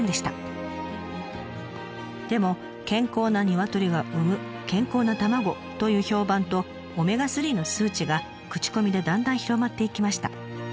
でも健康なニワトリが産む健康な卵という評判とオメガ３の数値が口コミでだんだん広まっていきました。